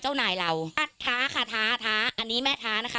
เจ้าหน่าเราท้าค่ะท้าท้าอันนี้แม่ท้านะคะ